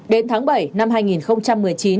đến tháng bảy năm hai nghìn một mươi chín